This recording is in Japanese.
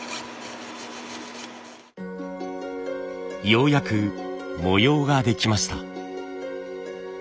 ようやく模様ができました。